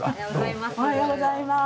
おはようございます。